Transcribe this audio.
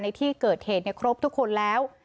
ในที่เกิดเหตุครบทุกคนแล้ว